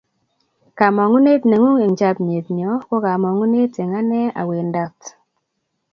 kamangunet nengung eng chamiet nyo ko kamangunet eng ane a wendat